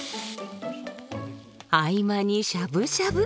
合間にしゃぶしゃぶ。